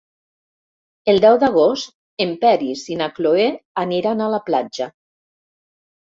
El deu d'agost en Peris i na Cloè aniran a la platja.